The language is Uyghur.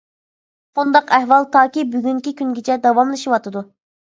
بۇنداق ئەھۋال تاكى بۈگۈنكى كۈنگىچە داۋاملىشىۋاتىدۇ.